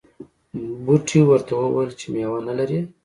بوټي ورته وویل چې میوه نه لرې.